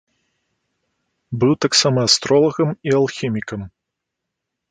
Быў таксама астролагам і алхімікам.